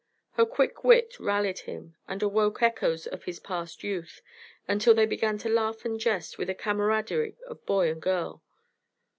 Her quick wit rallied him and awoke echoes of his past youth, until they began to laugh and jest with the camaraderie of boy and girl.